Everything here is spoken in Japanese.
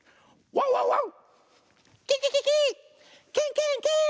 ワンワンワン！